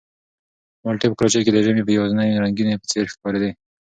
مالټې په کراچۍ کې د ژمي د یوازینۍ رنګینۍ په څېر ښکارېدې.